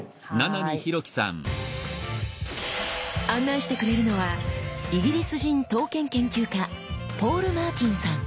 案内してくれるのはイギリス人刀剣研究家ポール・マーティンさん。